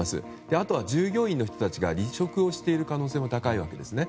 あとは従業員の人たちが離職をしている可能性も高いわけですよね。